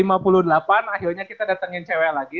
akhirnya kita datengin cewek lagi